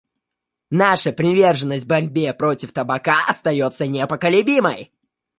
Наша приверженность борьбе против табака остается непоколебимой.